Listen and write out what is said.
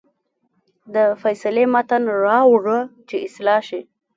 د فیصلې متن راوړه چې اصلاح شي.